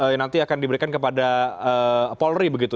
yang nanti akan diberikan kepada polri begitu